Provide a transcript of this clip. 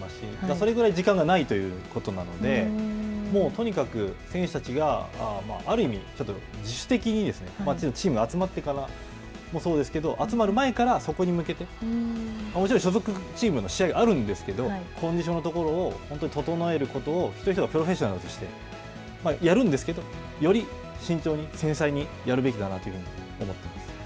それぐらい時間がないということなので、もうとにかく、選手たちが、ある意味、ちょっと自主的にチームが集まってからもそうですけど、集まる前からそこに向けて、もちろん所属チームの試合があるんですけど、コンディションのところを本当に整えることが一人一人がプロフェッショナルとして、やるんですけど、より慎重に、繊細にやるべきだなというふうに思